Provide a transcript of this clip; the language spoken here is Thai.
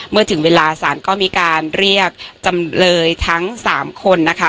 เมื่อถึงเวลาสารก็มีการเรียกจำเลยทั้ง๓คนนะคะ